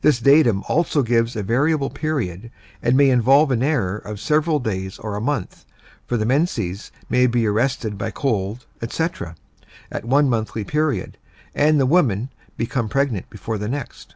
This datum also gives a variable period, and may involve an error of several days or a month, for the menses may be arrested by cold, etc., at one monthly period, and the woman become pregnant before the next.